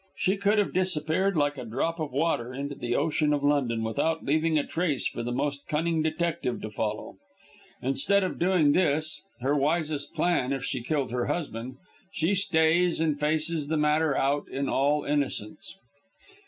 She could have disappeared like a drop of water into the ocean of London, without leaving a trace for the most cunning detective to follow. Instead of doing this her wisest plan if she killed her husband she stays and faces the matter out in all innocence."